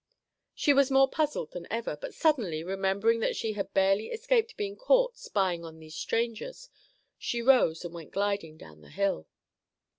She was more puzzled than ever, but suddenly remembering that she had barely escaped being caught spying on these strangers, she rose and went gliding down the hill.